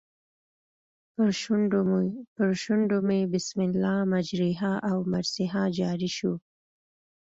پر شونډو مې بسم الله مجریها و مرسیها جاري شو.